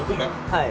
はい。